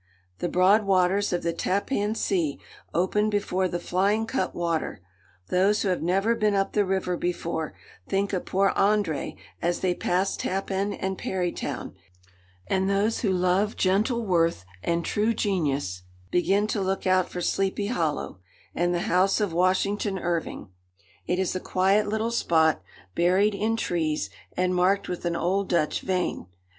The broad waters of the Tappan Sea open before the flying cut water; those who have never been up the river before, think of poor André as they pass Tappan and Parrytown, and those who love gentle worth and true genius begin to look out for Sleepy Hollow, and the house of Washington Irving. It is a quiet little spot, buried in trees, and marked with an old Dutch vane.